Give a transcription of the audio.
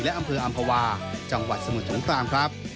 และอำเภออำภาวาจังหวัดสมุทรสงครามครับ